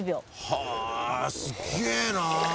はあすげえな。